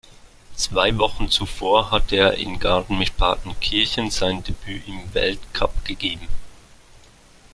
Zwei Wochen zuvor hatte er in Garmisch-Partenkirchen sein Debüt im Weltcup gegeben.